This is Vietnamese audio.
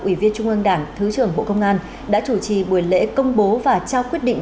ủy viên trung ương đảng thứ trưởng bộ công an đã chủ trì buổi lễ công bố và trao quyết định